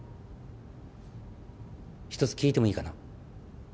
１つ聞いてもいいかな？